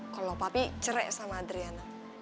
kalau papi cerai sama adriana